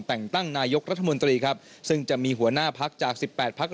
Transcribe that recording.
แต่งตั้งนายกรัฐมนตรีครับซึ่งจะมีหัวหน้าพักจาก๑๘พัก